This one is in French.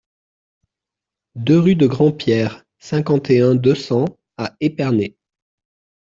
deux rue de Grandpierre, cinquante et un, deux cents à Épernay